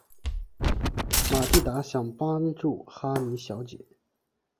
玛蒂达想帮助哈妮小姐。